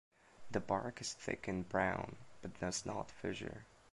The bark is thick and brown, but does not fissure.